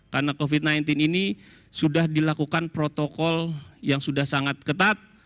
karena covid sembilan belas ini sudah dilakukan protokol yang sudah sangat ketat